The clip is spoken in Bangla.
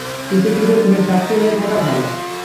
কিছু কিছু খুনের সাক্ষী হয়ে থাকা ভালো।